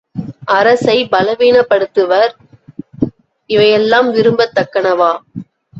அரசைப் பலவீனப்படுத்துவர், இவையெல்லாம் விரும்பத் தக்கனவா?